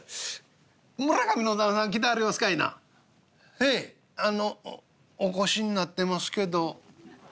「へえお越しになってますけど。